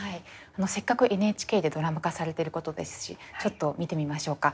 せっかくＮＨＫでドラマ化されてることですしちょっと見てみましょうか。